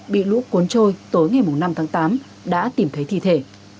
bị lũ cuốn trôi tối ngày năm tháng tám đã tìm thấy thi thể